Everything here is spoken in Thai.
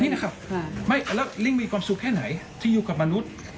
แล้วลิ้งมีความสุขแค่ไหนที่อยู่กับมนุษย์